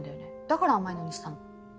だから甘いのにしたの。